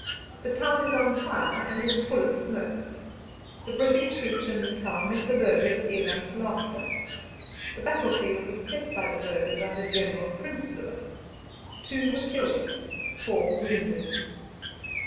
The town is on fire and is full of smoke. The British troops in Natal met the Burghers at Elandslaagte. The battle field was kept by the Burghers under General Prinsloo. Two were killed, four wounded.